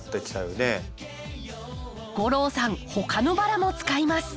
吾郎さんほかのバラも使います。